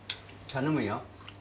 頼むよ。